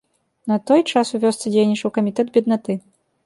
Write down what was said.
На той час у вёсцы дзейнічаў камітэт беднаты.